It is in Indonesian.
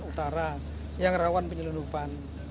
di sumatera yang rawan penyelundupan